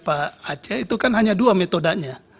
pak aceh itu kan hanya dua metodenya